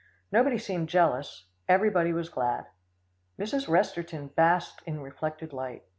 Nobody seemed jealous. Everybody was glad. Mrs. Resterton basked in reflected light.